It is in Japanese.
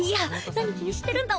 何気にしてるんだ？